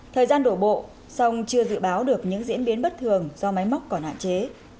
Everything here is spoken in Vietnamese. thời gian đổ bộ song chưa dự báo được những diễn biến bất thường do máy móc còn hạn chế